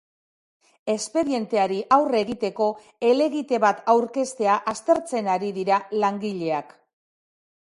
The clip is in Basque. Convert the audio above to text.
Espedienteari aurre egiteko helegite bat aurkeztea aztertzen ari dira langileak.